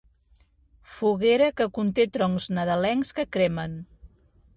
Foguera que conté troncs nadalencs que cremen.